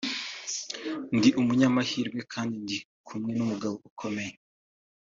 Ndi umunyamahirwe kandi ndi kumwe n’umugabo ukomeye